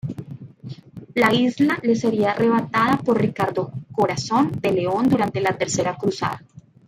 La isla le sería arrebatada por Ricardo Corazón de León durante la Tercera Cruzada.